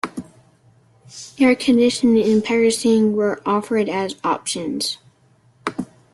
Air conditioning and power steering were offered as options.